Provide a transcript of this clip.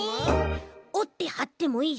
おってはってもいいし。